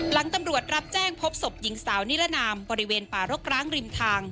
หลังตำรวจรับแจ้งพบศพหญิงสาวนิรนามบริเวณป่ารกร้างริมทาง